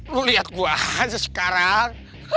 lo lihat gue aja sekarang